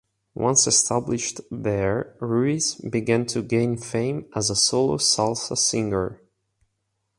Once established there, Ruiz began to gain fame as a solo salsa singer.